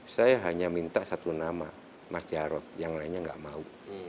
saya hanya minta satu nama mas jarod yang lainnya nggak mau